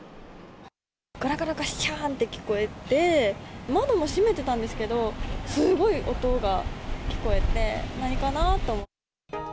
がらがらがっしゃーんって聞こえて、窓も閉めてたんですけど、すごい音が聞こえて、何かなと思って。